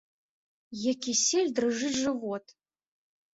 Як кісель, дрыжыць жывот!